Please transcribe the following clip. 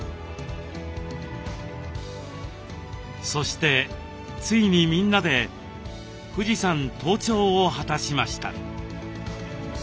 そしてついにみんなで富士山登頂を果たしました。